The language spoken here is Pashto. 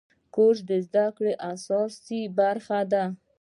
کورس د زده کړې اساسي برخه ده.